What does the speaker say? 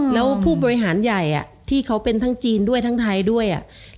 แล้วผู้บริหารใหญ่ที่เขาเป็นทั้งจีนด้วยทั้งไทยด้วย